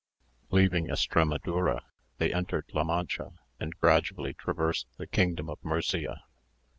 Leaving Estramadura they entered La Mancha, and gradually traversed the kingdom of Murcia.